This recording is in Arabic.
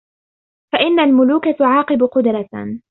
فَإِنَّ الْمُلُوكَ تُعَاقِبُ قُدْرَةً